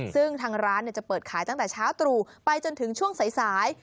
ซึ่งทางร้านจะเปิดขายตั้งแต่เช้าตรู่ไปจนถึงช่วงสาย